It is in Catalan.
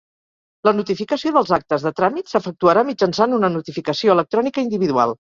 La notificació dels actes de tràmit s'efectuarà mitjançant una notificació electrònica individual.